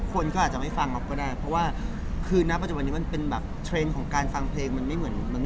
คนก็อาจจะไม่ฟังเราก็ได้เพราะว่าคือณปัจจุบันนี้มันเป็นแบบเทรนด์ของการฟังเพลงมันไม่เหมือน